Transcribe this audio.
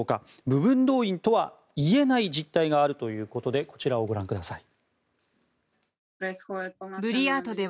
部分動員とはいえない実態があるということでこちらをご覧ください。